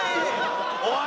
「おい！」